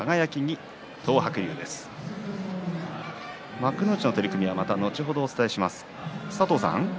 幕内の取組はまた後ほどお伝えします。